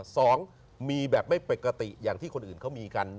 สองมีแบบไม่ปกติอย่างที่คนอื่นเขามีกัน